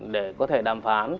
để có thể đàm phán